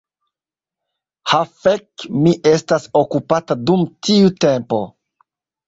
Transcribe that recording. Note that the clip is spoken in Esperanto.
"Ha fek' mi estas okupata dum tiu tempo"